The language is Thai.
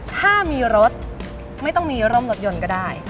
ถ้ามีรถไม่ต้องมีร่มรถยนต์ก็ได้